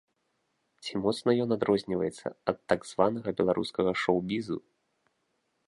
Ці моцна ён адрозніваецца ад так званага беларускага шоў-бізу?